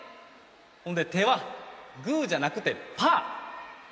ほんで手はグーじゃなくてパー。